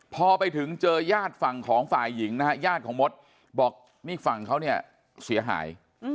พอไปถึงเจอญาติฝั่งของฝ่ายหญิงนะฮะญาติของมดบอกนี่ฝั่งเขาเนี่ยเสียหาย